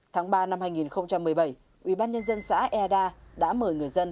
tháng ba năm hai nghìn một mươi bảy ubnd xã eada đã mời người dân